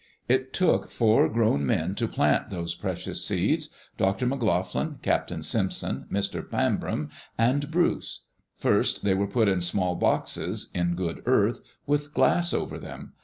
It took four grown men to plant those precious seeds: Dr. McLoughlin, Captain Simpson, Mr. Pambrun, and Bruce. First they were put in small boxes, in good earth, with glass over them.